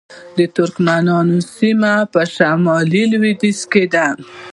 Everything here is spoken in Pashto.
د ترکمنانو سیمې په شمال لویدیځ کې دي